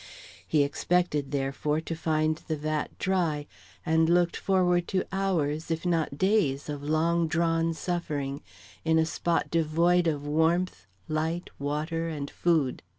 He expected, therefore, to find the vat dry, and looked forward to hours, if not days, of long drawn suffering in a spot devoid of warmth, light, water, and food.